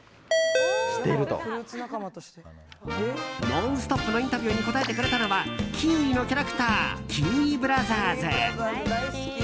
「ノンストップ！」のインタビューに答えてくれたのはキウイのキャラクターキウイブラザーズ。